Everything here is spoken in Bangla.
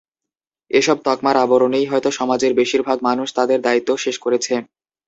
এসব তকমার আবরণেই হয়তো সমাজের বেশির ভাগ মানুষ তাদের দায়িত্ব শেষ করেছে।